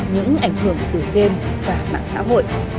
những ảnh hưởng từ game và mạng xã hội